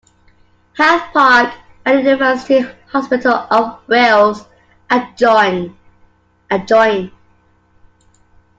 Heath Park and University Hospital of Wales adjoin.